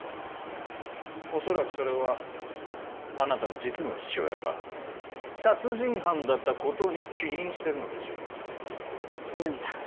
恐らくそれはあなたの実の父親が殺人犯だったことに起因してるのでしょう皆実さん